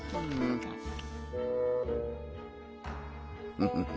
フフフ。